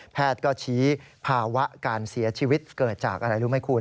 แพทย์ก็ชี้ภาวะการเสียชีวิตเกิดจากอะไรรู้ไหมคุณ